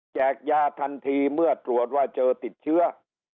ยาทันทีเมื่อตรวจว่าเจอติดเชื้อ